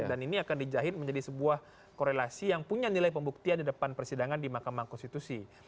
dan ini akan dijahit menjadi sebuah korelasi yang punya nilai pembuktian di depan persidangan di mahkamah konstitusi